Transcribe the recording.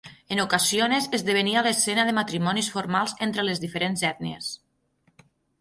En ocasiones, esdevenia l'escena de matrimonis formals entre les diferents ètnies.